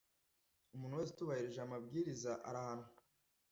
Umuntu wese utubahirije amabwiriza arahanwa